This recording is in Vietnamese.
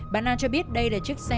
bà nam cho biết đây là chiếc xe